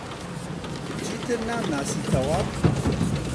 چیتر نامناسیتەوە؟